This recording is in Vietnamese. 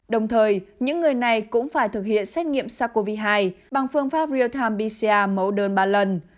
đồng thời những người này cũng phải thực hiện xét nghiệm sars cov hai bằng phương pháp real time pcr mẫu đơn ba lần